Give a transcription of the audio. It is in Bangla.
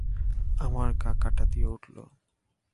আমার গা কাঁটা দিয়ে উঠল।